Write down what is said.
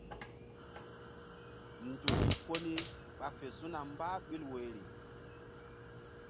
Nzukri ko ni ɓa fe su̧na mbah ɓil woyri.